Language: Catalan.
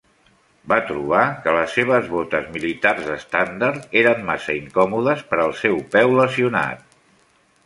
Va trobar que les seves botes militars estàndard eren massa incòmodes per al seu peu lesionat.